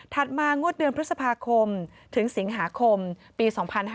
มางวดเดือนพฤษภาคมถึงสิงหาคมปี๒๕๕๙